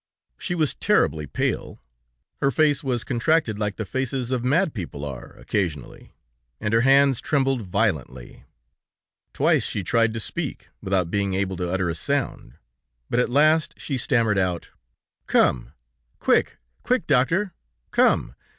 "She was terribly pale, her face was contracted like the faces of mad people are, occasionally, and her hands trembled violently. Twice she tried to speak, without being able to utter a sound, but at last she stammered out: 'Come... quick... quick, Doctor... Come...